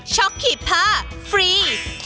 ็อกขีบผ้าฟรี